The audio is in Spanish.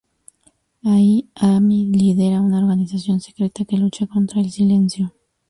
Allí Amy lidera una organización secreta que lucha contra el Silencio.